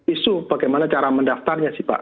isu bagaimana cara mendaftarnya sih pak